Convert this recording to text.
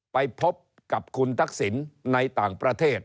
ไปพบกับคุณทักษิณในต่างประเทศ